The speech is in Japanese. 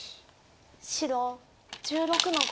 白１６の五。